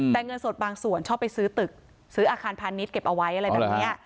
แต่เงินสดบางส่วนชอบไปซื้อตึกซื้ออาคารพาณิชย์เก็บเอาไว้อะไรแบบนี้